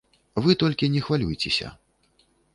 Вы толькі не хвалюйцеся.